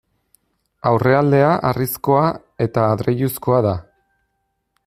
Aurrealdea harrizkoa eta adreiluzkoa da.